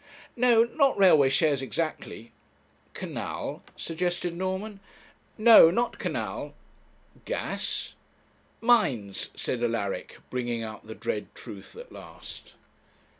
'No not railway shares exactly.' 'Canal?' suggested Norman. 'No not canal.' 'Gas?' 'Mines,' said Alaric, bringing out the dread truth at last.